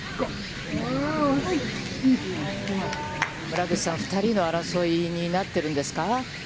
村口さん、２人の争いになっているんですか。